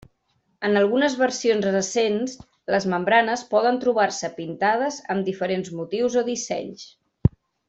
En algunes versions recents, les membranes poden trobar-se pintades amb diferents motius o dissenys.